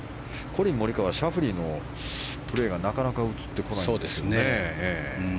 コリン・モリカワとシャフリーのプレーがなかなか映ってこないですね。